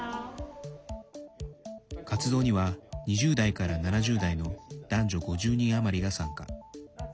活動には、２０代から７０代の男女５０人余りが参加。